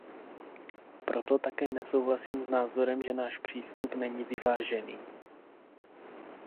Proto také nesouhlasím s názorem, že náš přístup není vyvážený.